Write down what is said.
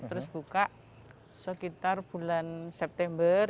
terus buka sekitar bulan september